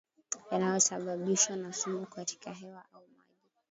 yanayosababishwa na sumu katika hewa au maji